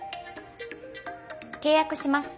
契約します。